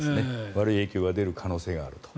悪い影響が出る可能性があると。